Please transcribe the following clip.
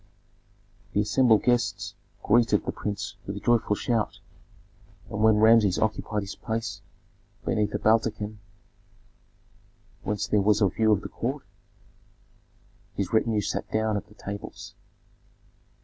The assembled guests greeted the prince with a joyful shout, and when Rameses occupied his place beneath a baldachin whence there was a view of the court, his retinue sat down at the tables.